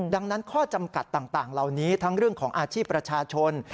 ดังนั้นข้อจำกัดต่างเหล่านี้ทั้งเรื่องของอาชีพประชาชน